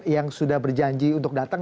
yang sudah berjanji untuk datang